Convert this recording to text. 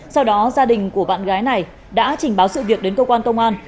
sau đó gia đình của bạn gái này đã trình báo sự việc đến cơ quan công an